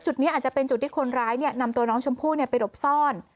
จุดนี้อาจจะเป็นจุดที่คนร้ายนำตัวน้องชมพู่ไปหลบซ่อน